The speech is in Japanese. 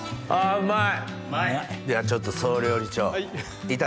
うまい！